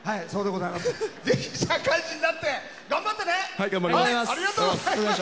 ぜひ社会人になって頑張ってね！